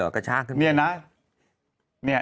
กระชากขึ้นไป